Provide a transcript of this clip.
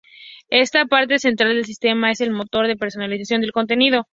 Esta parte central del sistema es el motor de personalización del contenido.